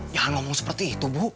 jangan ngomong seperti itu bu